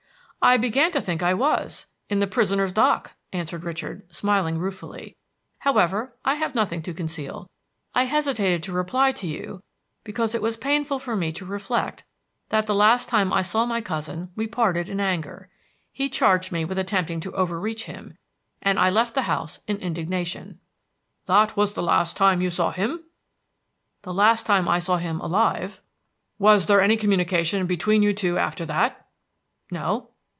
"I began to think I was in the prisoner's dock," answered Richard, smiling ruefully. "However, I have nothing to conceal. I hesitated to reply to you because it was painful for me to reflect that the last time I saw my cousin we parted in anger. He charge me with attempting to overreach him, and I left the house in indignation." "That was the last time you saw him?" "The last time I saw him alive." "Was there any communication between you two after that?" "No."